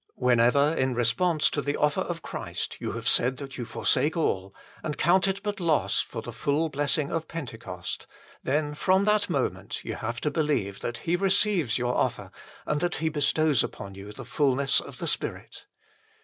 Whenever in response to the offer of Christ you have said that you forsake all, and count it but loss for the full blessing of Pentecost, then from that moment you have to believe that He receives your offer and that He bestows upon you the fulness of the Spirit.